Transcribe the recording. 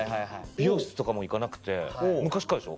美容室とかも行かなくて昔からでしょ？